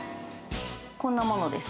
こんなものです。